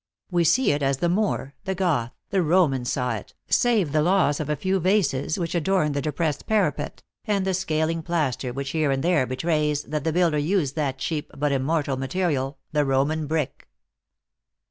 We see it as the Moor, the Goth, the Roman saw it, save the loss of a few vases which adorned the depressed parapet, and the scaling plaster which here and there betrays that the builder used that cheap but immortal material, the Roman brick."